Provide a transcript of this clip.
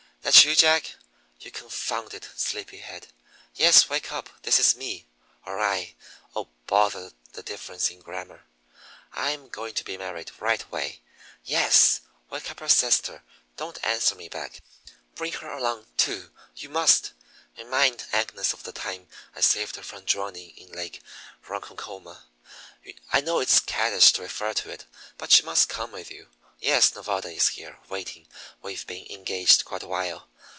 "That you, Jack? You confounded sleepyhead! Yes, wake up; this is me or I oh, bother the difference in grammar! I'm going to be married right away. Yes! Wake up your sister don't answer me back; bring her along, too you must! Remind Agnes of the time I saved her from drowning in Lake Ronkonkoma I know it's caddish to refer to it, but she must come with you. Yes. Nevada is here, waiting. We've been engaged quite a while.